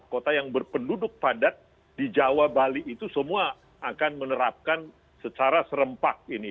kota yang berpenduduk padat di jawa bali itu semua akan menerapkan secara serempak ini